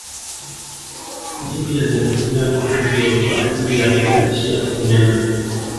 Nchi pia zinatumia mito hiyo kwa ajili ya kuzalisha umeme